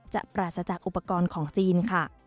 ปราศจากอุปกรณ์ของจีนค่ะ